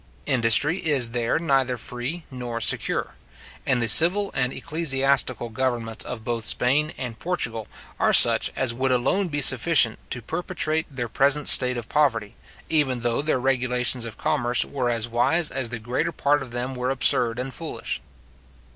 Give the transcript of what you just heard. Industry is there neither free nor secure; and the civil and ecclesiastical governments of both Spain and Portugal are such as would alone be sufficient to perpetuate their present state of poverty, even though their regulations of commerce were as wise as the greatest part of them are absurd and foolish.